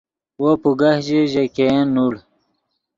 وو پوگہ ژے، ژے ګین نوڑ